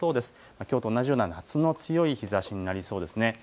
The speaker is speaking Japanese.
きょうと同じような夏の強い日ざしになりそうですね。